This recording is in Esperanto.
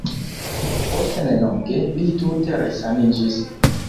Post nelonge, li tute resaniĝis.